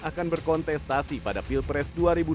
akan berkontestasi pada pilpres dua ribu dua puluh